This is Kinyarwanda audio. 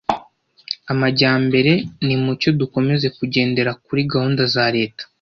amajyambere nimucyo dukomeze kugendera kuri gahunda za leta